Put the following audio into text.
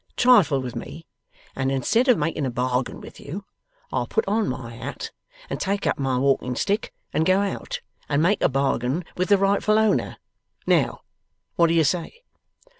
Trifle with me, and instead of making a bargain with you, I'll put on my hat and take up my walking stick, and go out, and make a bargain with the rightful owner. Now, what do you say?